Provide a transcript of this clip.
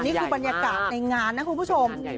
นี่คือบรรยากาศในงานนะคุณผู้ชม